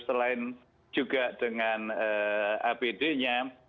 selain juga dengan apd nya